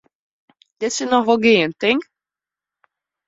Dit sil noch wol gean, tink.